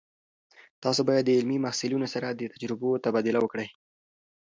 تاسو باید د علمي محصلینو سره د تجربو تبادله وکړئ.